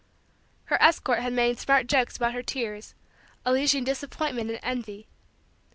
Her escort had made smart jokes about her tears, alleging disappointment and envy.